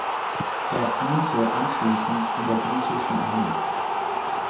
Er diente anschließend in der griechischen Armee.